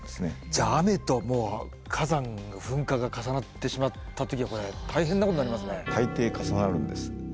じゃあ雨ともう火山の噴火が重なってしまった時はこれ大変なことになりますね。